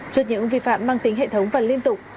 trước những vi phạm mang tính hệ thống và liên tục